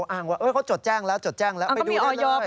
ยอมรับว่าการตรวจสอบเพียงเลขอยไม่สามารถทราบได้ว่าเป็นผลิตภัณฑ์ปลอม